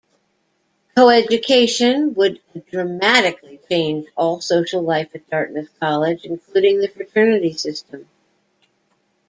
Coeducation would dramatically change all social life at Dartmouth College, including the fraternity system.